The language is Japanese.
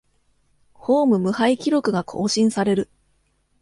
ホーム無敗記録が更新される